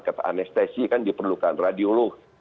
kata anestesi kan diperlukan radiolog